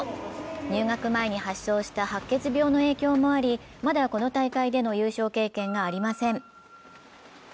入学前に発症した白血病の影響もありまだこの大会での優勝経験がありません。